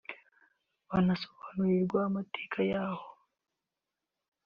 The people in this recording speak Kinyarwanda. banasobanurirwa amateka yaho